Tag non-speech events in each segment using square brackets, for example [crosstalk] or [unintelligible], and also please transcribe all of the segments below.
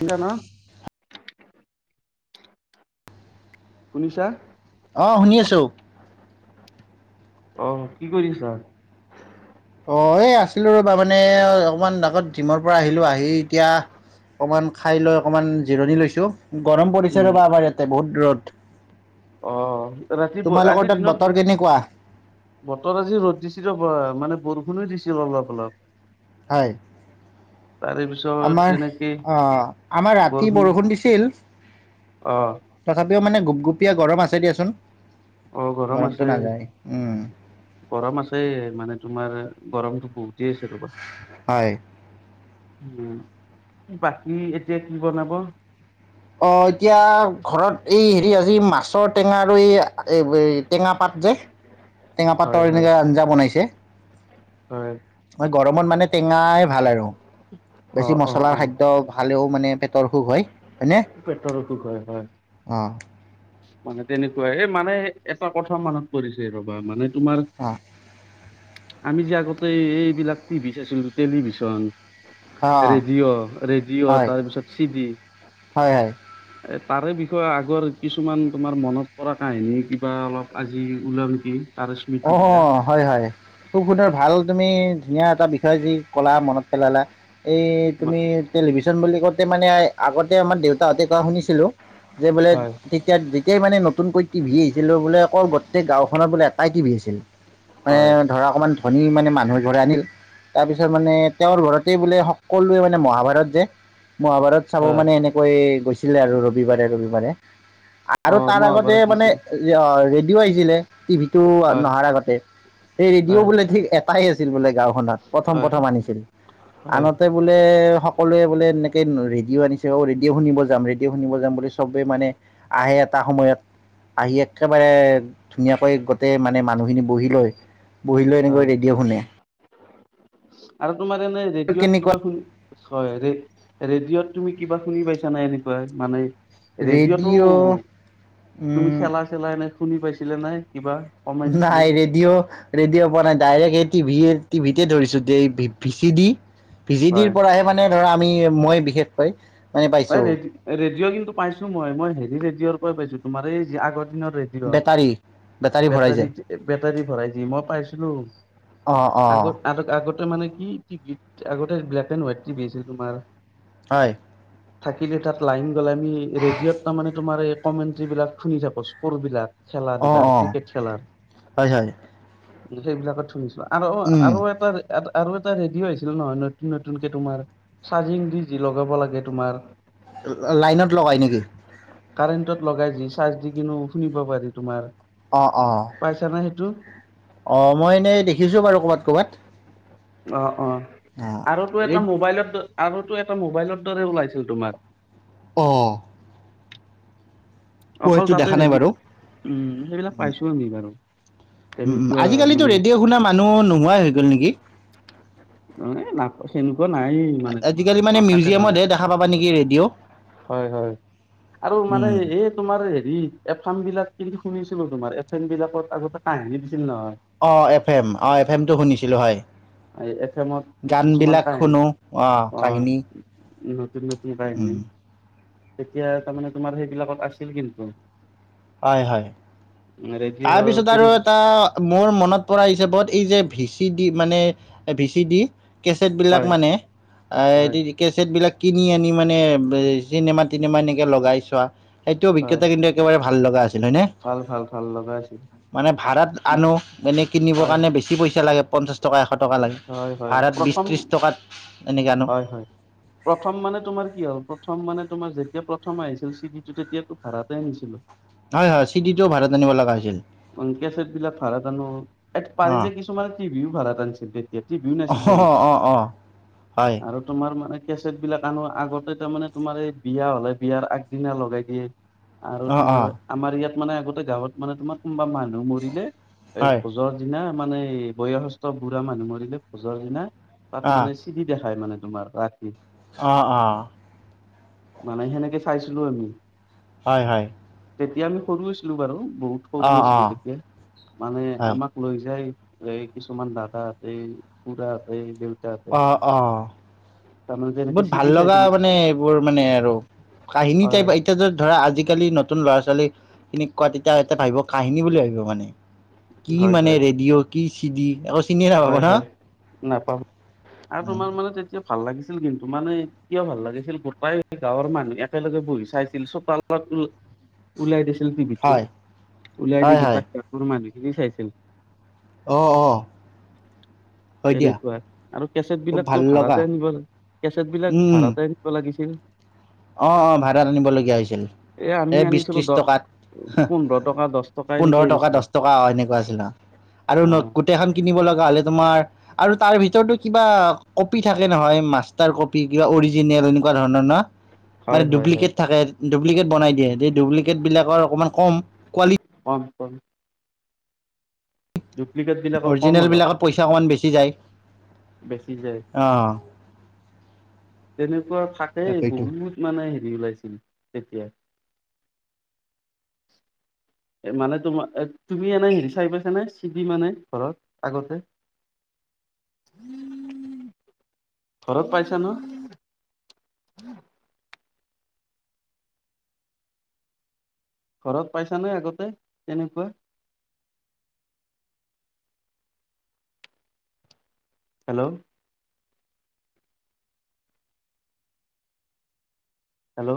এতিয়া ন শুনিছা অহ শুনি আছোঁ। অহ কি কৰিছা অহ এই আছিলোঁ ৰ'বা মানে অকমান আগত জিমৰ পৰা আহিলোঁ আহি এতিয়া। অকমান খাই লৈ অকমান জিৰণি লৈছোঁ গৰম পৰিছে ৰ'বা আমাৰ ইয়াতে বহুত দূৰত। অহ ৰাতিপুৱা আজিৰ দিনত বতৰ ব কেনেকুৱা বতৰ আজি ৰ'দ দিছিল ৰবা মানে বৰষুণ দিছে অলপ অলপ হয় তাৰে পিছত আমাৰ তেনেকে আহ আমাৰ ৰাতি বৰষুণ দিছিল। অহ। তথাপিও মানে গুপগুপীয়া গৰম আছে দিয়াচোন। অহ গৰম গৰমটো আছে নাযায় উম গৰম আছে মানে তোমাৰ গৰমতটো বহুত দি আছোঁ ৰ'বা হয় উম বাকী এতিয়া কি বনাব অহ এতিয়া ঘৰত এই হেৰি আজি মাছৰ টেঙা আৰু এই এই টেঙা পাত যে টেঙা হয় পাতৰ হয় এনেকে আঞ্জা বনাইছে। হয় মই গৰমত মানে টেঙাই ভাল আৰু অ বেছি অ মচলাৰ অ খাদ্য। ভালেও মানে পেটৰ অসুখ হয় পেটৰ অসুখ হয় হয়। অহ মানে তেনেকুৱাই এ মানে এটা কথা মনত পৰিছে ৰবা মানে তোমাৰ। অহ আমি যে আগতে এই এইবিলাক টি ভি চাইছিলোঁ টেলিভিশ্যন। অ', ৰেডিঅ' ৰেডিঅ' হয়, তাৰপিছত চি ভি হয়, হয়, এ তাৰে বিষয়ে আগৰ। কিছুমান তোমাৰ মনত পৰা কাহিনী কিবা অলপ আজি ওলাও নেকি। তাৰে অহ। স্মৃতিবিলাক হয় হয় খুব সুন্দৰ ভাল তুমি ধুনীয়া এটা বিষয় যি ক'লা মনত পেলালা। এই তুমি টেলিভিশ্যন বুলি কওঁতে মানে আগতে আমাৰ দেউতাহঁতে কোৱা শুনিছিলোঁ। যে বোলে, হয় তেতিয়া যেতিয়াই মানে নতুনকৈ টিভি আহিছিল বোলে, আকৌ গোটেই গাওখনৰ বোলে কাই টিভি আছিল, মানে হয় ধৰা, অকণমান ধনী মানে মানুহৰ ঘৰে আনিল তাৰপিছত মানে, তেওঁৰ ল'ৰাটোৱে বোলে সকলোৱে মানে মহাভাৰত যে মহাভাৰত চাব হয় মানে এনেকৈ গৈছিলে আৰু ৰবিবাৰে, ৰবিবাৰে আৰু অ তাৰ আগতে মহাভাৰত মানে দিছিল অ', ৰেডিঅ' আহিছিলে, টিভিটো হয় নহাৰ আগতে সেই ৰেডিঅ' হয় বোলে ঠিক এটাই আছিল বোলে গাঁওখনত, প্ৰথম, হয় প্ৰথম আনিছিল হয় আনতে হয় বোলে সকলোৱে বোলে এনেকে ৰেডিঅ' আনিছে, অ', ৰেডিঅ' শুনিব যাম ৰেডিঅ' শুনিব যাম বুলি চবে মানে আহে এটা সময়ত। আহি একেবাৰে ধুনীয়াকৈ গোটেই মানে মানুহখিনি বহি লয় বহিলৈ এনেকৈ হয় ৰেডিঅ' শুনে, আৰু তোমাৰ এনে ৰেডিঅ'ত কেনেকুৱা কিবা শুনি হয় দেই, ৰেডিঅ'ত তুমি কিবা শুনি পাইছা নাই এনেকুৱাই মানে ৰেডিঅ'টো ৰেডিঅ' তুমি উম খেলা-চেলা এনে শুনি পাইছিলা নে কিবা কমেণ্ট্ৰি নাই ৰেডিঅ', ৰেডিঅ' পোৱা নাই ডাইৰেক্ট এই টিভি, টিভিতে ধৰিছোঁ এই V C D, V C ডিৰ হয় পৰাহে মানে ধৰা আমি মই বিশেষ ৰে ৰেডিঅ' কিন্তু পাইছো মই, মই হেৰি ৰেডিঅ' পৰা পাইছো তোমাৰ এই যে আগৰ দিনৰ ৰেডিঅ', বেটাৰী ভৰাই যায় বেটাৰী, বেটাৰী ভৰাই যে, মই পাইছিলো। অ', অ'। আগতে, আগতে মানে কি, টিভি আগতে ব্লেক এণ্ড হোৱাইট টিভি আছিল তোমাৰ। হয়। থাকিলে তাত লাইন গ'লে, আমি ৰেডিঅ'ত তাৰমানে তোমাৰ এই কমেণ্টেৰী বিলাক শুনি থাকো, স্কৰ বিলাক। অঁ খেলা-ধূলাৰ অঁ ক্ৰিকেট খেলাৰ। হয় হয় সেইবিলাকত শুনিছো, আৰু, উম আৰু এটাৰ এটা আৰু এটা ৰেডিঅ' আহিছিল নহয়, নতুন, নতুনকে তোমাৰ চাৰ্জিং দি যে লগাব লাগে। তোমাৰ লাইনত লগাই নেকি? কাৰেণ্টত লগাই দি, চাৰ্জ দি কিনো শুনিব পাৰি তোমাৰ। অ', অ'। পাইছা নে সেইটো? অ', মই এনেই দেখিছো বাৰু ক'বাত, ক'বাত। অ', অ', আৰুটো এটা ৰেড মোবাইলৰ দ, আৰুটো এটা মোবাইলৰ দৰে ওলাইছিল তোমৰ। অ'। মই অকল সেইটো তাতে দেখা নাই বাৰু ৰেডিঅ', সেইবিলাক পাইছো আমি বাৰু। উম, উম, তেনেকুৱা আজিকালিতো মানে ৰেডিঅ' শুনা মানুহ নোহোৱাই হৈ গ'ল নেকি। অ', এ না সেনেকুৱা নাইয়ে। আজিকালি মানে, মিউজিয়ামতহে দেখা পাবা নেকি ৰেডিঅ'। হয়, হয়। আৰু মানে উম। এই তোমাৰ হেৰি, এফ এম বিলাক কি শুনিছিলো তোমাৰ, এফ এম বিলাকত আগতে কাহিনী দিছিল নহয়। অ', এফ এম, অ', এফ এমটো শুনিছিলো হয়। এফ এমত কিছুমান গানবিলাক কাহিনী শুনো অ'। কাহিনী নতুন, নতুন কাহিনী। উম, তেতিয়া, তাৰমানে তোমাৰ সেইবিলাকত আছিল কিন্তু। হয়, হয়, ৰেডিঅ' তাৰপিছত আৰু এটা মোৰ মনত পৰা হিচাপত, এই যে ভিচি দি, মানে ভিচি দি কেচেটবিলাক হয়, মানে, আ হয়, দি কেচেট বিলাক কিনি আনি মানে চিনেমা তিনেমা এনেকে লগাই চোৱা সেইটো হয়, অভিজ্ঞতা কিন্তু একেবাৰে ভাল লগা আছিল হয় নে ভাল ভাল ভাল লগাই আছিল। মানে ভাড়াত আনোঁ এনেই কিনিবৰ হয়, কাৰণে বেছি পইচা লাগে পঞ্চাছ টকা এশ টকা লাগে হয়, হয়, ভাড়াত বিশ, প্ৰথম ত্ৰিছ টকাত এনেকে আনো হয়, হয়, প্ৰথম মানে তোমাৰ কি হ'ল প্ৰথম মানে তোমাৰ যেতিয়া প্ৰথম আহিছিল চি ডিটো তেতিয়াতো ভাড়াতে আনিছিলোঁ হয় হয় চিডিটো ভাৰাত ল লাগাইছিল কেচেট বিল ভাড়াত আনো পাৰিলে কিছুমানে টিভি ও ভাড়াত আনিছিল দে অ অ অ, হয়। আৰু তোমাৰ মানে কেচেট বিলাক আনো আগতে তাৰ মানে তোমাৰ এই বিয়া হলে বিয়াৰ আগদিনা লগাই দিয়ে আৰু অঁ তোমাৰ অঁ আমাৰ ইয়াত মানে আগতে গাঁৱত মানে তোমাৰ কোনোবা মানুহ মৰিলে এ হয় ভোজৰ- দিনা মানে বয়স্থ বুঢ়া মানুহ মৰিলে ভোজৰ দিনা তাত অঁ মানে দি দেখায় মানে তোমাৰ তাত অ অ। মানে সেনেকে চাইছিলো আমি। হয় হয়। তেতিয়া আমি সৰু হৈছিলো বাৰু বহুত সৰু অঁ হৈছিলো অঁ তেতিয়া মানে হয় আমাক লৈ যায় এ কিছুমান দাদা আছে খুৰা হেতে- অ অ। তাৰমানে তেনেকে বহুত ভাল চিৰি লগা চাইছিলো মানে এইবোৰ মানে আৰু, কাহিনী হয় টাইপ এতিয়া য ধৰা আজিকালিটো- নতুন ল'ৰা ছোৱালী, খিনিক কোৱা তেতিয়া এটা ভাবিব কাহিনী বুলি ভাবিব মানে- কি হয় মানে হয় ৰেডিঅ' কি চিডি অ- হয় হয়, নাপাম আৰু উম, তোমাৰ মানে তেতিয়া- ভাল লাগিছিল কিন্তু মানে কিয় ভাল লাগিছিল গোটাই গাঁৱৰ মানুহ একেলগে বহি চাইছিল চোতাল- ওলাই দিছিল টিভিটো, হয় ওলাই দি হয় গোট হয় সিহঁতৰ মানুহখিনি চাইছিল। অ অ। হয় দিয়া তেনেকুৱা, আৰু কেচেট খুব ভাল বিলাকতো লগা ভাড়াতে আনিব লাগে- কেচেট বিলাক ভাড়াতে আনিব লাগিছিল? আহ আহ ভাড়াত আনিবলগীয়া হৈছিল, আমি এ বিশ আনিছিলো ত্ৰিশ দহ টকাত। পোন্ধৰ টকা দহ টকা এনেকে পোন্ধৰ টকা আনিছিলো দহ টকা এনেকুৱা আছিল আৰু- অ নতুন এখন কিনিব লগা হ'লে তোমাৰ- আৰু তাৰ ভিতৰতো কিবা কপি থাকে নহয় মাষ্টাৰ কপি কিবা অৰিজিনেল এনেকুৱা ধৰণৰ ন? হয় মানে হয় হয় ডুপ্লিকেট থাকে ডুপ্লিকেট বনাই দিয়ে সেই ডুপ্লিকেট বিলাকৰ অকণমান কম। কোৱালিটি অ অ। ডুপ্লিকেট বিলাকৰ কম অৰিজিনেল অলপ। বিলাকত পইচা অকমান বেছি যায় বেচিছে, অ তেনেকুৱা থাকেই তাকেইতো বহুত- মানে হেৰি ওলাইছিল তেতিয়া। মানে তোমাৰ তুমি এনে হেৰি চাই পাইছানে চিবি মানে ঘৰত আগতে? ঘৰত পাইছা ন? ঘৰত পাইছা নে আগতে তেনেকুৱা? Hello. Hello.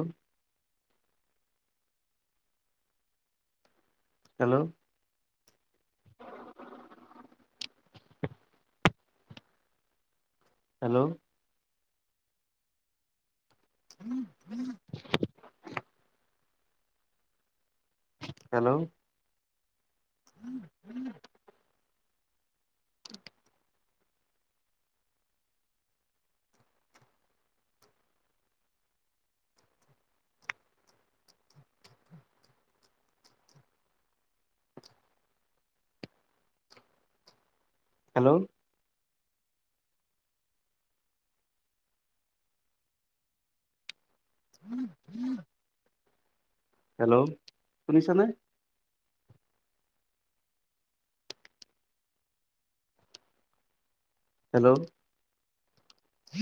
Hello. Hello. [unintelligible] Hello [unintelligible] hello [unintelligible] hello, শুনিছানে? হেল্ল'